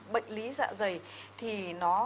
bệnh lý dạ dày thì nó